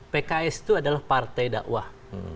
pks itu adalah partai dakwah